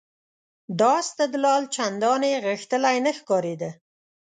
دا استدلال چندانې غښتلی نه ښکارېده.